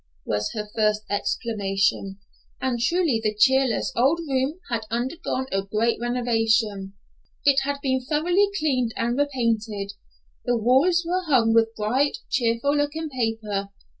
was her first exclamation, and truly the cheerless old room had undergone a great renovation. It had been thoroughly cleaned and repainted. The walls were hung with bright, cheerful looking paper.